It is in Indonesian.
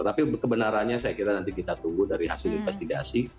tapi kebenarannya saya kira nanti kita tunggu dari hasil investigasi